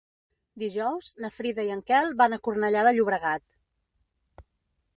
Dijous na Frida i en Quel van a Cornellà de Llobregat.